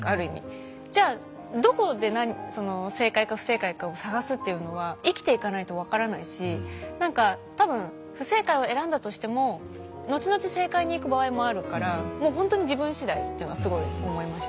じゃあどこで正解か不正解かを探すっていうのは多分不正解を選んだとしても後々正解に行く場合もあるからもうほんとに自分しだいっていうのはすごい思いました。